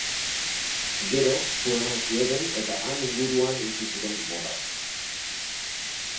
Gero, su eman zioten eta han inguruan utzi zuten botata.